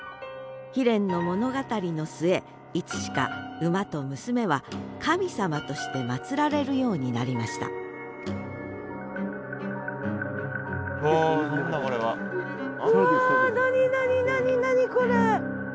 悲恋の物語の末いつしか馬と娘は神様として祭られるようになりましたうわ。